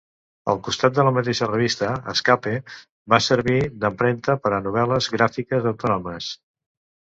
Al costat de la mateixa revista, "Escape" va servir d'empremta per a novel·les gràfiques autònomes.